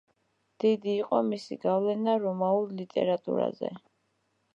დიდი იყო მისი გავლენა რომაულ ლიტერატურაზე.